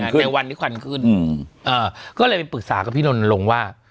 ในวันที่ควันขึ้นก็เลยไปปรึกษากับพี่นนลงว่า